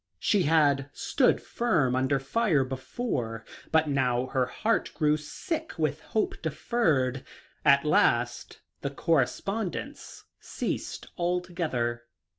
She had stood firm under fire before, but now her heart grew sick with hope deferred. At last the correspondence ceased altogether.